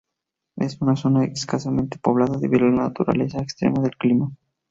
Es una zona escasamente poblada debido a la naturaleza extrema del clima.